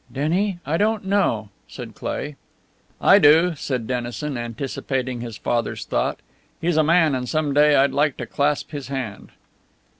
"Denny, I don't know," said Cleigh. "I do!" said Dennison, anticipating his father's thought. "He's a man, and some day I'd like to clasp his hand."